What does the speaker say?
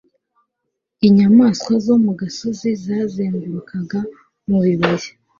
Inyamaswa zo mu gasozi zazengurukaga mu bibaya